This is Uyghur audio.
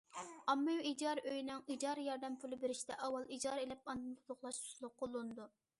ئاممىۋى ئىجارە ئۆيىنىڭ ئىجارە ياردەم پۇلى بېرىشتە ئاۋۋال ئىجارە ئېلىپ ئاندىن تولۇقلاش ئۇسۇلى قوللىنىلىدۇ.